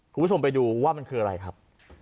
คุณผู้ชมไปดูว่ามันคืออะไรครับ